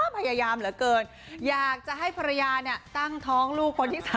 พยายามเหลือเกินอยากจะให้ภรรยาตั้งท้องลูกคนที่๓